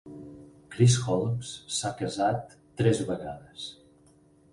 Chris Holmes s'ha casat tres vegades.